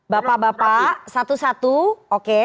bapak bapak satu satu oke